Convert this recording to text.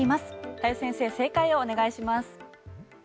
林先生、正解をお願いします。